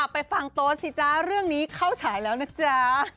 ไปฟังโต๊ะสิจ๊ะเรื่องนี้เข้าฉายแล้วนะจ๊ะ